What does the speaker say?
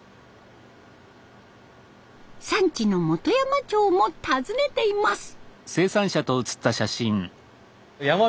産地の本山町も訪ねています。